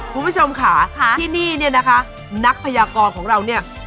คุณผู้ชมค่ะที่นี่เนี่ยนะคะนักพยากรของเราเนี่ย